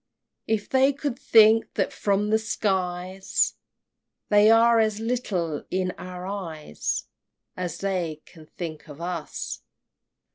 If they could think that from the iskies They are as little in our eyes As they can think of us!